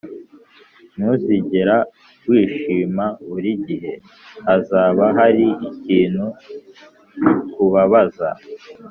ntuzigera wishima Buri gihe hazaba hari ikintu kikubabaza